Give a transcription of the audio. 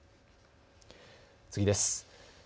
次です。